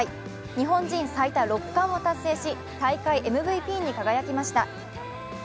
日本人最多６冠を達成し大会ＭＶＰに輝きました。